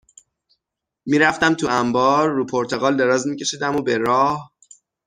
می رفتم تو انبار رو پرتقال دراز می کشیدم و به راه